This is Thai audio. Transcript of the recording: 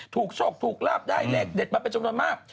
ถูกโชคถูกลาบได้เลขเด็ดมาเป็นชุมธรรมมาก